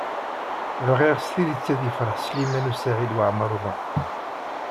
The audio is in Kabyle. Bɣiɣ s tidet ad yefṛeḥ Sliman U Saɛid Waɛmaṛ U Muḥ.